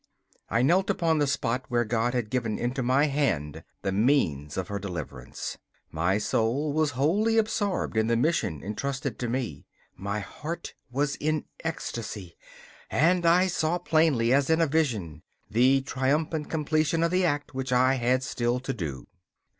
I knelt upon the spot where God had given into my hand the means of her deliverance. My soul was wholly absorbed in the mission entrusted to me. My heart was in ecstasy, and I saw plainly, as in a vision, the triumphant completion of the act which I had still to do.